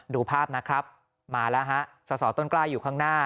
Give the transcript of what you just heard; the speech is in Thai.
ดูภาพนะครับมาแล้วฮะสอสอต้นกล้าอยู่ข้างหน้า